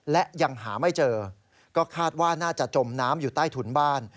และยังหาไม่เจอก็คาดว่าน่าจะจมน้ำอยู่ใต้ถุนบ้าน